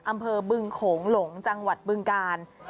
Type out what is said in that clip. องค์บึงโขหลงจังหวัดบึงกาน